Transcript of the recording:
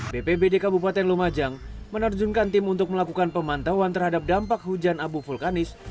bpbd kabupaten lumajang menerjunkan tim untuk melakukan pemantauan terhadap dampak hujan abu vulkanis